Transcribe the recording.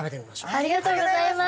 ありがとうございます。